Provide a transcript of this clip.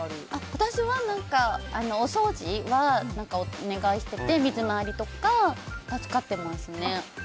私はお掃除はお願いしてて水回りとか助かってます。